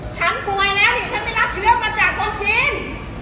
ชั้นปลูงให้แนวที่ฉันได้รับเชื้อมาจากความชิ้น